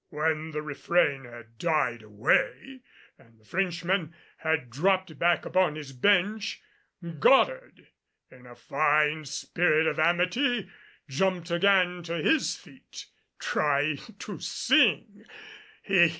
When the refrain had died away and the Frenchman had dropped back upon his bench, Goddard, in a fine spirit of amity, jumped again to his feet, trying to sing.